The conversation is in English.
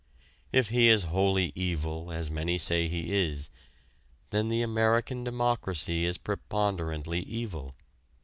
If he is wholly evil, as many say he is, then the American democracy is preponderantly evil.